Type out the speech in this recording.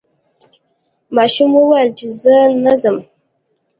ماشوم وویل چې زه نه ځم.